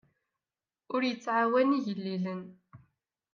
Ur yettɛawan igellilen.